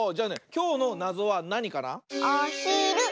きょうのなぞはなにかな？